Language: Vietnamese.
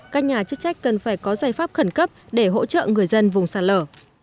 các nhà chức trách cần phải có giải pháp khẩn cấp để hỗ trợ người dân vùng sạt lở